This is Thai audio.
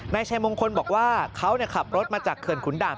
นายชัยมงคลบอกว่าเขาขับรถมาจากเขื่อนขุนดาบ